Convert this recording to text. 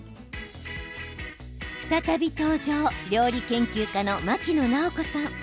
再び登場料理研究家の牧野直子さん。